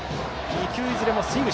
２球、いずれもスイング。